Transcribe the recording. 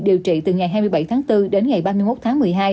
điều trị từ ngày hai mươi bảy tháng bốn đến ngày ba mươi một tháng một mươi hai